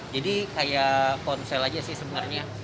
jadi kayak ponsel aja sih sebenarnya